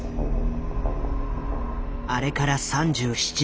あれから３７年。